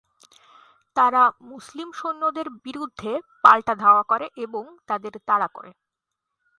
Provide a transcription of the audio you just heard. তারা মুসলিম সৈন্যদের বিরুদ্ধে পাল্টা ধাওয়া করে এবং তাদের তাড়া করে।